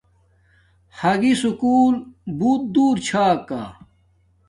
ھاگی سکُول بوت دور چھا کا